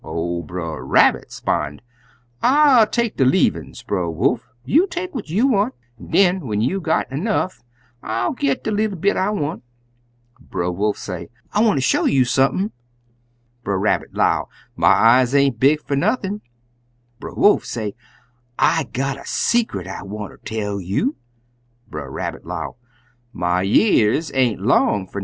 Ol' Brer Rabbit 'spon', 'I'll take de leavin's, Brer Wolf; you take what you want, an' den when you done got 'nough I'll get de leetle bit I want.' Brer Wolf say, 'I wanter show you sump'n.' Brer Rabbit 'low, 'My eyes ain't big fer nothin'.' Brer Wolf say, 'I got a secret I wanter tell you.' Brer Rabbit 'low, 'My y'ears ain't long fer nothin'.